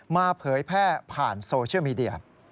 เผยแพร่ผ่านโซเชียลมีเดีย